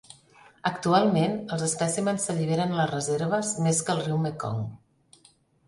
Actualment, els espècimens s'alliberen a les reserves més que al riu Mekong.